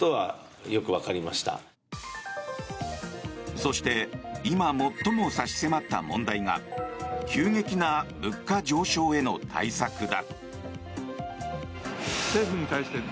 そして今最も差し迫った問題が急激な物価上昇への対策だ。